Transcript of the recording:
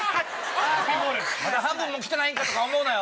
まだ半分も来てないんかとか思うなよ。